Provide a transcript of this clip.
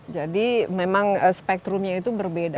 jadi memang spektrumnya itu berbeda